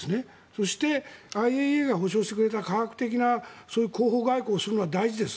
そしてＩＡＥＡが保証してくれた科学的な広報外交をするのは大事です。